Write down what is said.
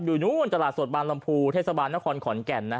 อยู่นู้นตลาดสดบางลำพูเทศบาลนครขอนแก่นนะ